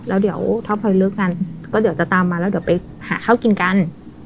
แล้วเดี๋ยวถ้าพลอยเลิกกันก็เดี๋ยวจะตามมาแล้วเดี๋ยวไปหาข้าวกินกัน